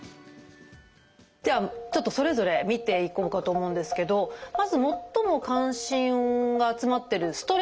ではちょっとそれぞれ見ていこうかと思うんですけどまず最も関心が集まってる「ストレッチ」見ていきましょうか。